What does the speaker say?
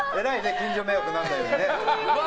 近所迷惑にならないようにね。